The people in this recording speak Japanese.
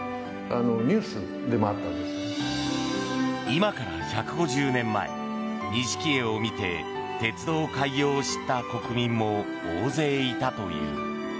今から１５０年前錦絵を見て鉄道開業を知った国民も大勢いたという。